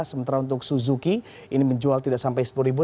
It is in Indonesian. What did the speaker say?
sementara untuk suzuki ini menjual tidak sampai sepuluh ribu